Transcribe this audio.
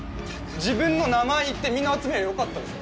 自分の名前言ってみんな集めりゃよかったでしょ？